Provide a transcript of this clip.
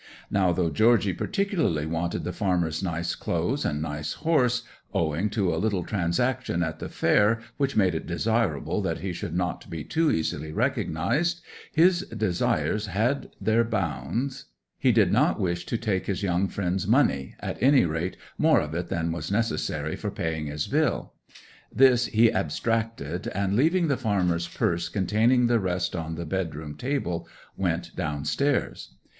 Now though Georgy particularly wanted the farmer's nice clothes and nice horse, owing to a little transaction at the fair which made it desirable that he should not be too easily recognized, his desires had their bounds: he did not wish to take his young friend's money, at any rate more of it than was necessary for paying his bill. This he abstracted, and leaving the farmer's purse containing the rest on the bedroom table, went downstairs.